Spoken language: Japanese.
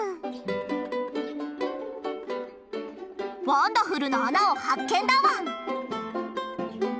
ワンダフルな穴を発見だワン！